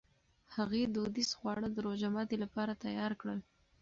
هغې دودیز خواړه د روژهماتي لپاره تیار کړل.